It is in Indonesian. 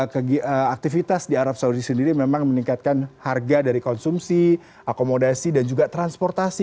aktivitas di arab saudi sendiri memang meningkatkan harga dari konsumsi akomodasi dan juga transportasi